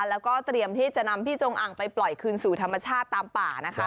แล้วก็เตรียมที่จะนำพี่จงอังไปปล่อยคืนสู่ธรรมชาติตามป่านะคะ